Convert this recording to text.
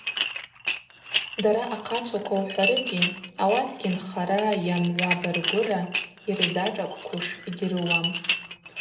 Дара ахъачваква ухӏварыгьи, ауатгьи нхара йа мгӏва баргвыра йырзашӏакӏквуш йгьрыуам.